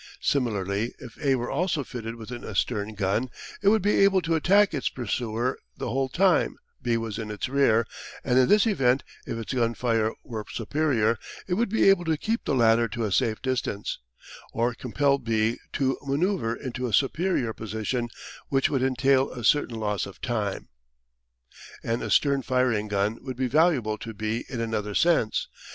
Similarly if A were also fitted with an astern gun it would be able to attack its pursuer the whole time B was to its rear and in this event, if its gun fire were superior, it would be able to keep the latter to a safe distance, or compel B to manoeuvre into a superior position, which would entail a certain loss of time. An astern firing gun would be valuable to B in another sense.